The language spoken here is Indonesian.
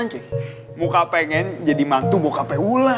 wajahnya menjadi mantu bokapnya ulan